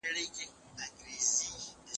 لویه جرګه څنګه د سولي پروسي سره مرسته کوي؟